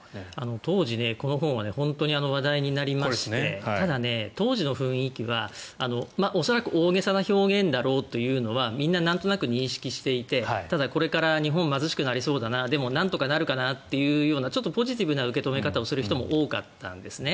当時、この本は話題になりましてただね、当時の雰囲気は恐らく大げさな表現だろうというのはみんななんとなく認識していてただ、これから日本貧しくなりそうだなでもなんとかなるかなというちょっとポジティブな受け止め方をする方も多かったんですね。